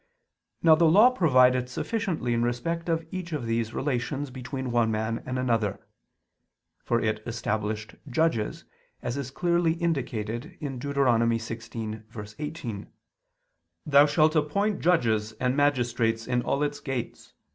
Now the Law provided sufficiently in respect of each of these relations between one man and another. For it established judges, as is clearly indicated in Deut. 16:18: "Thou shalt appoint judges and magistrates in all its [Vulg.: 'thy'] gates